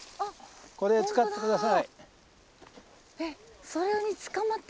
これ使って下さい。